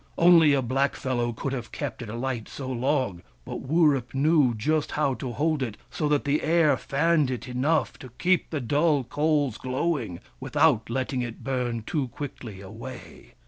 Only a blackfellow could have kept it alight so long ; but Wurip knew just how to hold it so that the air fanned it enough to keep the dull coals glowing, without letting it burn too quickly away.